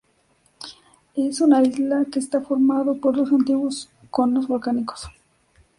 Es una isla que está formado por dos antiguos conos volcánicos.